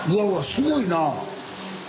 すごいな！